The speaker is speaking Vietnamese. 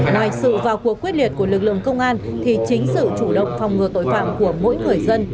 ngoài sự vào cuộc quyết liệt của lực lượng công an thì chính sự chủ động phòng ngừa tội phạm của mỗi người dân